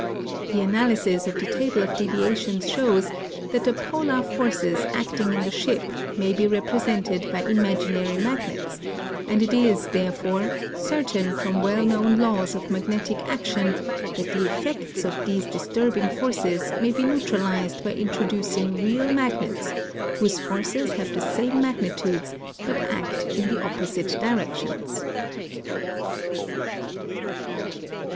The analysis of the table of deviations shows that the polar forces acting in the ship may be represented by imaginary magnets, and it is, therefore, certain from well known laws of magnetic action that the effects of these disturbing forces may be neutralized by introducing real magnets whose forces have the same magnitudes but act in the opposite directions.